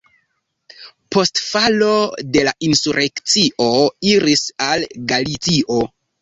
Post falo de la insurekcio iris al Galicio.